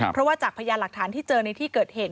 เพราะว่าจากพยานหลักฐานที่เจอในที่เกิดเหตุ